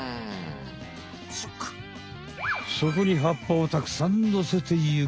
そこに葉っぱをたくさんのせていく！